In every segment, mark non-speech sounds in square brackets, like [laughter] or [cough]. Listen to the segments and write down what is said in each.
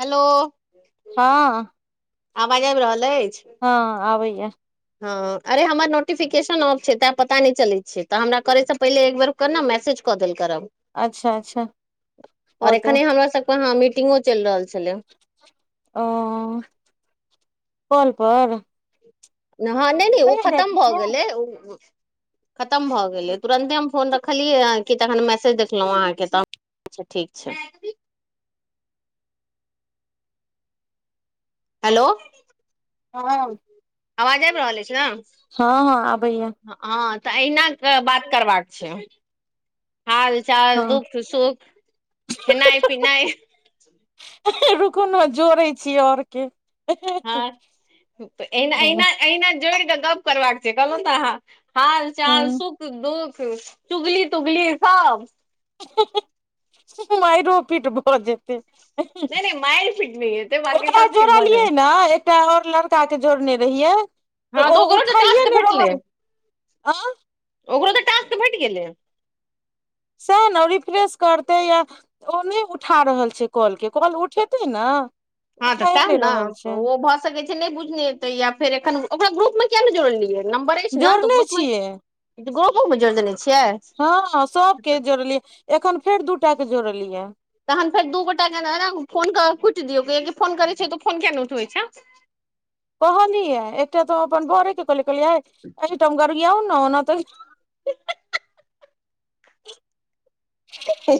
Hello हँ आवाज आबि रहल अछि। ह आबैय ह अरे हमर नोटिफिकेशन ऑफ छै ते पता नहि चलैत छै तऽ हमरा करे से पहिले एक बेर कर ने मैसेज कऽ देलऽ करब अच्छा अच्छा क ओर देब एखने हमरा सभके मीटिंगो चलि रहल छलै ओ कल पर [unintelligible] नहि नहि ओ कहि खतम डेटी भए छियै। गेले खतम भए गेले तुरंते हम फोन। देखलियै कि तखन मैसेज देखलहुँ अहाँकेँ तऽ ठीक छै। हेलो। हँ। आवाज आबि रहल अछि ने। ह, ह आबैया। ह तऽ अहिना बात करबाक छै हाल चाल हँ दुख सुख खेनाइ पिनाइ। रुकनो जोड़े छियै आओर के हँ हँ ना अहिना जोड़ऽ गप करबाक छै कहलहूँ ने हूँ हाल चाल सुख दुख चुगली तुगली सभ मार रोपीट भऽ जेतै। नहि नहि मइलड फिट नहि ह बकी ओकरा सभ चीज मजेमे जोड़लियै ने एकटा आओर लड़का के जोड़ने रहियै त हँ ओ तऽ ओकरो तऽ उठाइे टास्क ने भेटलै रहल आ ओकरो तऽ टास त भेटि गेलै। सही ने रिफ्रेश करते या ओ नहि उठा रहल छै। कॉल के कॉल उठेते ने हँ तऽ उठाए सएह नहि ने रहल छै। ओ भऽ सकै छै नहि बुझनेतै यो फेर एखन ओरा ग्रुप मे किया ने जोड़लियै नम्बर अछि ने तऽ जोड़ने ग्रुपमे छियै ग्रुपो मे जोड़ि देने छियै। हँ सभके जोड़लियै एखन फेर दूटा के जोड़लियै तखन फेर दू गोटा के फोन कुटि दियौ किया फोन करैत छै तऽ फोन के नहि उठबै छै। कहलिये एकटा तो अपन बरे के कहल कहल एहिठमरियाउ ने ओना त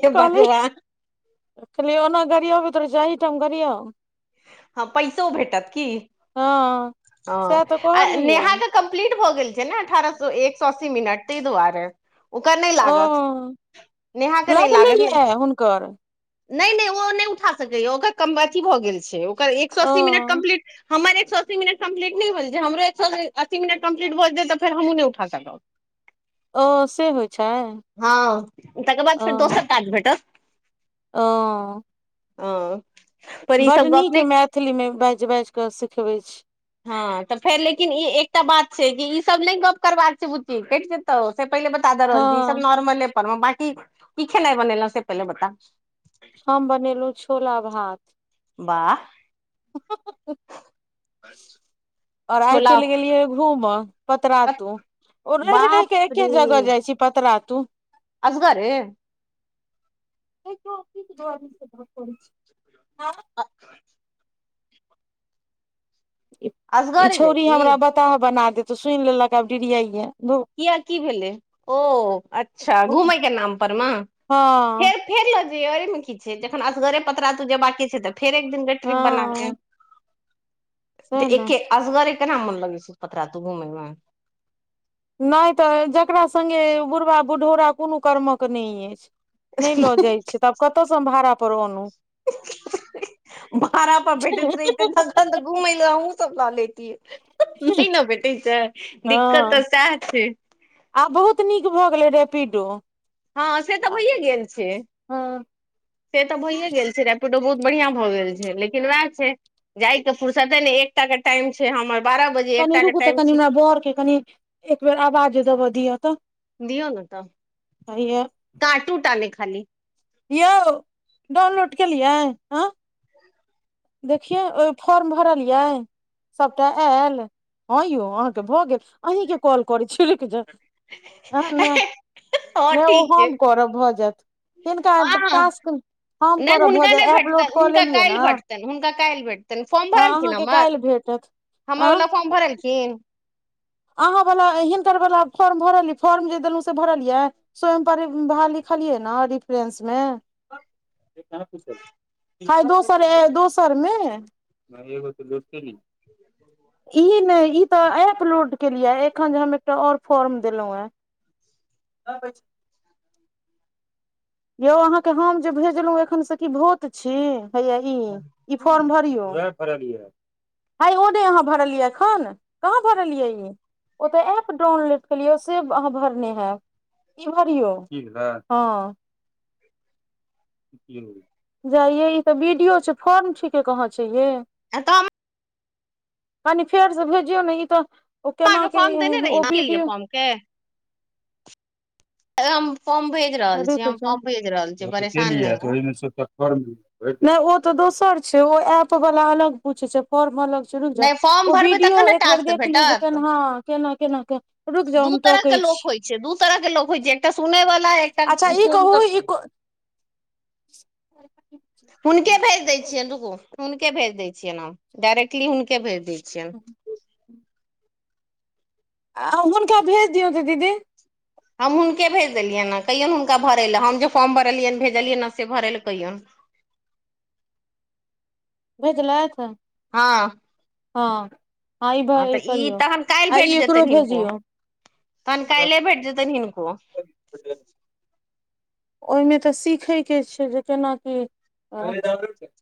हे कहली भगवान कहलियै ओना गड़ियब तोर जाही गड़ियौ ह पैसो भेटत कि हँ सएह तऽ ह कहलियै ने कम्प्लीट भ गेल छै ने अठारह सए एक सए अस्सी मिनट ताहि दुआरे ओकर नहि ओ लागत नेहा के नहि लागत ने लगलैये हुनकर नहि नहि ओ नहि उठा सकैए ओकरम अथी भ गेल छै ओकर एक सए ओ अस्सी मिनट कम्प्लीट हमर एक सए असी मिनट कम्प्लीट नहि भेल छै। हमरो एक सए असी मिनट कम्पलीट भऽ जेत तऽ फेर हमहुँ नहि उठा साकब आ से होइ छै। हँ तकर बाद ओ फेर दोसर काज भेटत। ओ। आ। बड़ नीक मैथिली मे बाजि बाजि कऽ सिखबैत छी हँ तऽ फेर लेकिन ई एकटा बात छै कि ई सभ नहि गप करबाक छै बुच्ची के तऽ से पहिले बता द हँ रहल छी ई सभ नॉर्मले पर मे बाकी कि खेनाइ बनेलहु से पहिले बता हम बनेलहुँ छोला भात। वाह [inaudible] और आइ छोला चलि गेलियै घूमे कत- पतरातू ओ रही रही बाप के रे एके जगह जाय छी पत लऽ तू असगरे [unintelligible] आ। ई असगरे जाइ छौरी छी हमरा बताह बना दे तू सुनि लेलकऽ आब डिरिया ये किया कि भेलै ओ अच्छा घुमै के नाम पर मे हँ फेर फेर लो ज औ मे की छै जखन असगरे पतरा तू जेबाकी छै त फेर एक दिन के ट्रिप बना के हँ तऽ सैह ने एके असगरे एक ने मन लगै सु पत्र रह तू घुमैमे नहि तऽ जकरा संघे बुढ़बा बुढ़ौरा कोनो कर्मक नहि अछि नहि लऽ जाइत छी तऽ आब कतयसँ हम भाड़ापर अनहूँ बर पर बैठ रहत घूमै हैं सभ ला लेती है नहि ने भेटी छै दिक्कत तऽ हँ सए छै। आब बहुत नीक भऽ गेलै रैपिडो। हँ से तऽ भइए गेल छै। हँ से तऽ भइे गेल छै रैपिडो बहुत बढ़िआ भऽ गेल छै लेकिन वएह छै जाइ के फर्सते ने एकटा के टाइम छै हमर बारह बजे एकटा के टाइम छै। बरके कनी एक बेर आवाज देबऽ दिह तऽ दियऔ ने तऽ हैया काटूटाले खाली। यौ डाउनलोड केलियै आ देखियै ओहि फॉर्म भरलियै। सभटा आयल हँ यौ अहाँकेँ भऽ गेल अही केँ कॉल करे छड़क जाउ नहि हँ नहि ठीक छै ओहोम करब भऽ जायत कनक हँ तासक। हमम नहि करब भऽ हुनका नहि जाय भेटतनि एपलोड कऽ हुनका लेलियै काल्हि ने। भेटतनि हुनका काल्हि भेटतनि फॉर्म हँ भरलखिन अहाँकेँ हमर काल्हि भेटत हमर आ वला फॉर्म भरलखिन अहाँ वालला हिटर वाला फॉर्म भरल यऽ फॉर्म जे देलहुँ से भरल यए स्वय परभ लिखलियै ने रेफरेस मे [unintelligible] [inaudible] ई नहि ई तऽ ऐपलोड केलिय एखन जे हम एकटा ओर फॉर्म देलौ हँ ह [inaudible] यौ अहाँ के हम जे भेजलों एखन से की भूत छी हैया [inaudible] इ फोर्म भरियों [inaudible] आइयों नै अहाँ भरल यै एखन कहाँ भरलै ई ओतऽ एप डाउनलोड केलियौ से अहाँ भरने हैब [inaudible] इ भरियौ हँ [inaudible] [inaudible] जा यै इ तऽ वीडियो छै फॉर्म ठी केँ कहाँ छैये [unintelligible] [inaudible] कनि फेर से भेजियौ नऽ इ तऽ ओ केना अहाँके केँ फॉर्म हे देने इ रही ओ ने विडियो [unintelligible] रुक हम जाओ फॉर्म भेज रहल [inaudible] छी [unintelligible] परेशान नहि हो फार्म भैर दही नहि ओ तऽ दोसर छै ओ एप वला अलग पूछ छै फॉर्म अलग रुक नहि फॉर्म जाउ ओ भरबै वीडियो तखन ने एक बेर टास्क देख लियौ जे भेटत केना केना केना के रुकि जाउ दू हम तरह तोकै के छी लोक होइ दू तरह के लोक होइ छै एकटा सुनै वला एकटा अच्छा फोन [unintelligible] हुन केँ भेज दै छियनि रुक हुनकेँ भेज देै छियैनि डायरेक्टली हुनकेँ भेज दै छियन आ हुनकोँ भेज दिऔ तऽ दीदी हम हुनकेँ भेज देलियनि ह कहियौ हुनका भरय लऽ हम जे फॉर्म भरलियन भेजलियनि ह से भरय लऽ कहियौन भेज लाइथ हँ हँ ई भ हँ ई तऽ इ करियौ तखन काइल आ भेट ई एकरो जेतेन हिनको भेजियौ तहन काइले भेट जेतेन हिनको ओहिमे तऽ सीखय केँ छै जे केना की [unintelligible]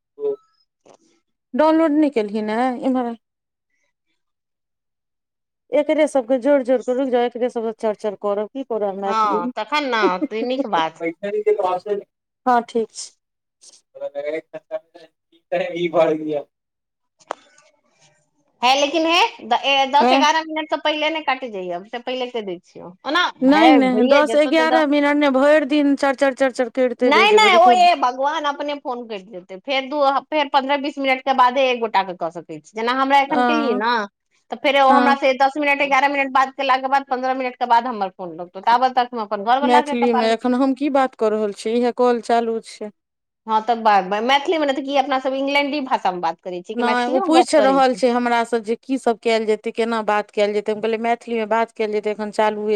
[inaudible] डाउनलोड नहि केलखिन हँ इम्हर आ एकरे सबके जोड़ जोड़ कऽ रुकि जाउ एकरे सबसँ चर चर करब की करब हँ मैथिलीमे तखन ने तऽ नीक बात हँ [unintelligible] [unintelligible] [inaudible] है लेकिन हे दस छै एगारह मिनट सब पहिले ने काटे जाएब से पहिले कैह दै छियौ ओना है नहि नहि भैये दस जेतौ तऽ एगारह मिनट नहि भरि दिन चर चर चर करिते रहि नहि जेबै नहि ओ रुकू ने य ब ओहन अपने फोन कैट जैते फेर दू फेर पंन्द्रह बीस मिनट के बादे एक गोटा केँ कऽ सकै जेना हमरा एखन केलियै अ न [inaudible] तऽ फेर ओ हँ हमर से दस मिनट एगारह मिनट बाद केला केँ बाद पन्द्रह मिनट केँ बाद हमर [unintelligible] ताबत त अपन घर बला कऽ मैथिली कपार मे एखन हम की बात - - कऽ रहल छी इहे कल चालू छै हँ तऽ बाजबै मैथिली मे ने तऽ कि अपना सब इंग्लेंडी भाषा मे बात करै छी कि नहि ओ मैथिलीए मे गप पूछि करै रहल छी छै हमरासँ जे की सब कयल जेते केना बात कयल जेते हम कहले मैथिली मे बात केयल जेते एखन चालू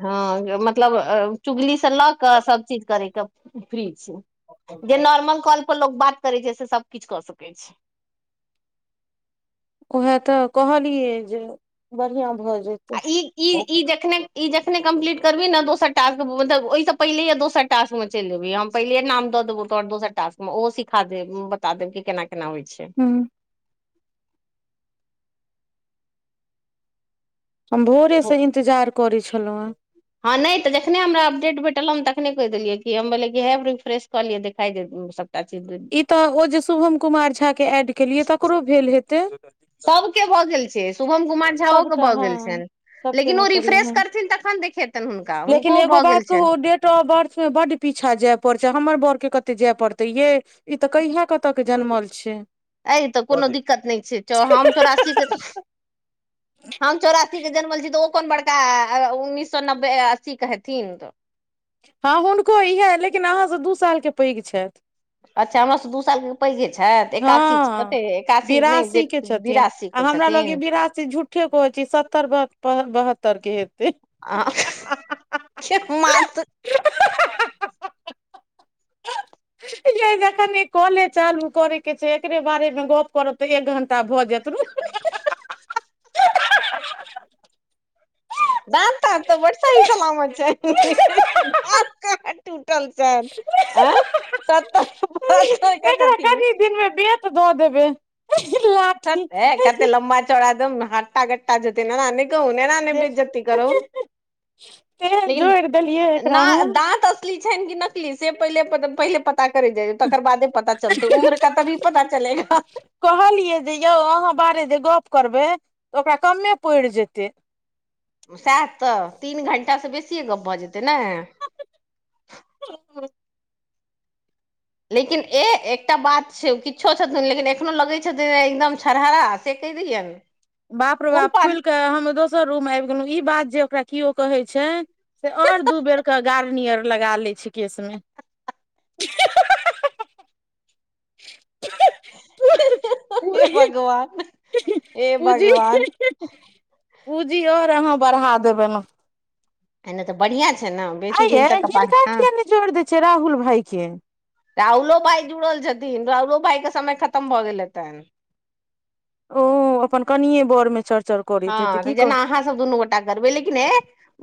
हँ मतलब चुगली से लऽ कऽ सभ चीज करयके फ्री छै जे नॉर्मल कॉल पर लोको बात करै छै से सभ किछु कऽ सकैत छै उएह तऽ कहलियै जे बढ़िया भए जेत आ ई जखने ई जखने कम्प्लीट करबी ने दोस टक मतब ओहिस पहिलेय दोसर टास्क मे चलिबी हम पहिले नाम दऽ देबौ तोर दोसर टास्कमे ओहो सिखा देब बता देब केना केना होइ छै। हूँ। हम भोरे से इंतजार करे छलौ हे हँ नहि तऽ जखने हमरा अपडेट भेटलहूँ हम तखने कहि देलियै कि हमै किह रिफ्रेश कऽ लियै देखाइ दे त च [unintelligible] ई तऽ ओ जे शुभम कुमार झाके एऐड केलियै तकरो भेल हेतै सभके भऽ गेल छै शुभम कुमार झाओ के सबटा भऽ हँ गेल छनि। सबटे लेकिन मे ओ करियै रिफ्रेश हँ करथिन तखन देखेतनि हुनका हुनको भऽ गेल छनि। वर्थ मे बड़ पीछा जाय पड़ छै हमर बड़ के कते जाय पड़ते ये ई तऽ कहिया कत के जनमल छै। एहि तऽ कोनो दिक्कत नहि छै हम चौरासीके हम चौरासी के जनमल छी तऽ ओ। कोन बड़का उन्नीस सए नब्बे अस्सी के हेथिन तऽ हँ हुनको इएह लेकिन अहाँ सभ दू सालके पैघ छथि अच्छा हमरा दू साल पैघे छथि हँ एकासी कते एकासी नहि बिरासी के छथिन। झुट। ठे कह छी सत्तर बहत्तर के हेतै आ मात। [unintelligible] कले चालू कर कि छै एकरे बारेमे गप करब तऽ एक घण्टा भऽ जेत र द ता तऽ वर्षा ईी चलााम छै। उटल छै आँ सत्तके छथिन। दिनमे तऽ दऽ देब सते कते लम चौड़ा दम हाटटा गटटा जने कहू ए नहि बेजी करू तेहन लेकिन जोड़ि देलियै ने एकरा हम दाँत छै कि नकली से पहिले पहिले पता करे जाइ तकर बादे पता चलते उम्र का तऽ भी पता चलेगा कहलियै जे यौ अहाँ बारे जे गप करबै तऽ ओकरा कमे पड़ि जेतै। सएह तऽ तीन ठंडासँ बेसिए गप्प भऽ जेतै ने ह। लेकिन एकटा बात छै किछो छथिन लेकिन एखनो लगे छथिन एकदम छरहरा से कहि दैय ने। बाप रे बाप फुलि कऽ हम दोसर रूम आबि गेलहुँ इ बात जे ओकरा किओ कहै छै। से ओर दू बेर के गार्नियर लगा लै छै केशमे। ह। है भगवान है भगवान पूँजी आओर अहाँ बढ़ा देबै न एने तऽ बढ़िआ छै ने आ बेसी दिन य तक अपन। हिनका हँ किया ने जोर देय छै राहुल भाई के राहुलो भाई जुड़ल छथिन राहुलो भाई के समय खतम भ गेल हेतनि ओ अपन कनि बर मे चौर चर हँ तऽ जेना अहाँ सभ दुनू गोटा करबै लेकिन ह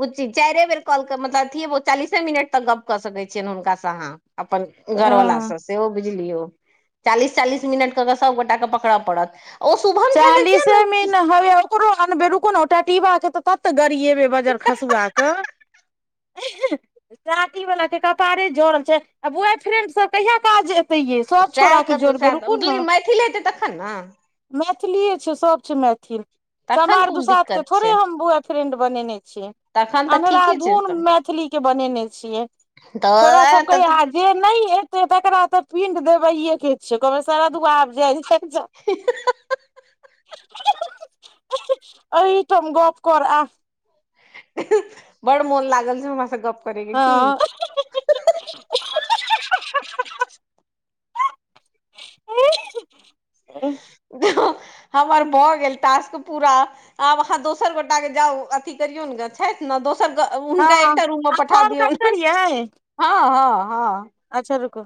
ओ ची चारिए बेर कॉल कऽ मतल अिय चालीसे मिनट तक गप्प कऽ सकैत छियनि हुनकासँ अहाँ अपन घर वाला अ सभ सेहो बुझलियौ चालीस चालीस मिनट कऽ के सभगोटा के पकड़ऽ पड़त ओ शुभम झा के किया चालीसे मे ने ह ककरो अनबै रुकु ने टा टि्बाके तऽ तब तऽ गरियेबै बजर खसुआ के चाटी वालला के कपारे जड़ल छै आ बॉय फ्रेड सभ कहिया काज तय से सएह छोड़ा के करतै जोड़ै सएह रुकु ने लेकिन मैथिल हेतै तखन ने। मैथिलीए छै सभ छै मैथिल तखन समार कोन दुसाध के दिक्कत थोड़े छै हम बुआ फ्रेड बनेने छियै तखन तऽ अन्ह ठीके छै राधुन तऽ मैथिलीके बनेने छियै छोड़ सभ कहै तऽ आ जे नहि एते तकरा तऽ पिण्ड देबै के छिय कह शरद आब जा ह। तम गप कर आ बड़ मोन लागल छै हमरासँ गप करैके हँ कि हमर भऽ गेल तास्क पूरा। आब अहाँ दोसर गोटा के जाउ अथी करियौ ने छथि ने दोसर गो हुनका हँ एकटा रूम मे आब पठा कॉल दियऔ कट करियै ह ह ह अच्छा रुक